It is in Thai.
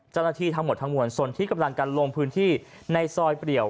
เจ้าหน้าที่ทั้งหมดทั้งมวลส่วนที่กำลังกันลงพื้นที่ในซอยเปรียว